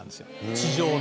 「地上の。